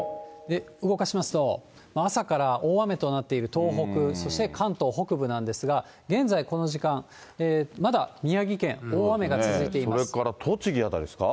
動かしますと、朝から大雨となっている東北、そして関東北部なんですが、現在、この時間、まだ宮城県、それから栃木辺りですか。